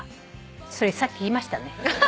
それさっき言いましたね。